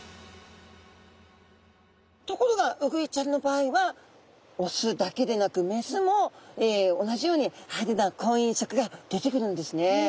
ところがウグイちゃんの場合はオスだけでなくメスも同じように派手な婚姻色が出てくるんですね。